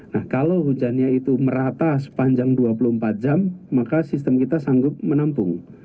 nah kalau hujannya itu merata sepanjang dua puluh empat jam maka sistem kita sanggup menampung